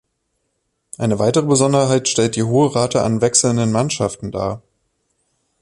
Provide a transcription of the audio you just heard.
Eine weitere Besonderheit stellt die hohe Rate an wechselnden Mannschaften dar.